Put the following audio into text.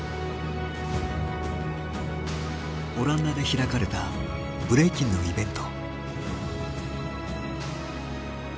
オランダで開かれたブレイキンのイベント。